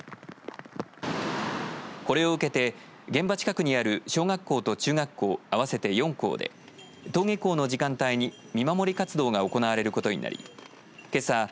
これを受けて現場近くにある小学校と中学校合わせて４校で登下校の時間帯に見守り活動が行われることになりけさ